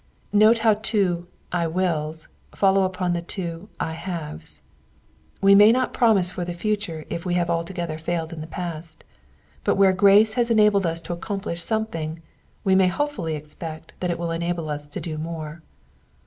Note how two I wills" follow upon two I haves." We may BOt promise for the future if we have altogether failed in the past ; but where ffrace has enabled us to accomplish something, we may hopefully expect that it will enable us to do more.